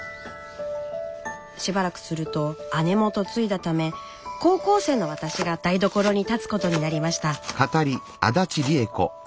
しばらくすると姉も嫁いだため高校生の私が台所に立つことになりました。